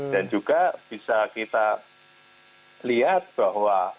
dan juga bisa kita lihat bahwa